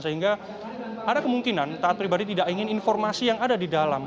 sehingga ada kemungkinan taat pribadi tidak ingin informasi yang ada di dalam